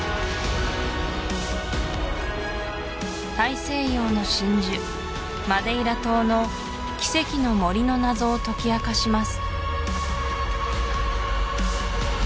大西洋の真珠マデイラ島の奇跡の森の謎を解き明かします